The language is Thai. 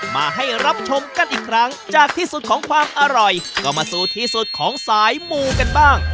มาให้รับชมกันอีกครั้งจากที่สุดของความอร่อยก็มาสู่ที่สุดของสายมูกันบ้าง